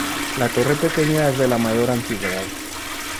La torre pequeña es la de mayor antigüedad.